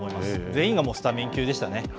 全員がスタメン級でしたね。